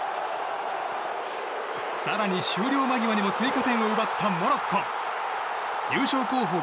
更に、終了間際にも追加点を奪ったモロッコ。優勝候補